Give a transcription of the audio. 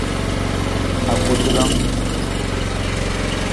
Akutelang.